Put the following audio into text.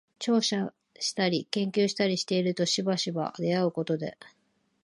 調査したり研究したりしているとしばしば出合うことで、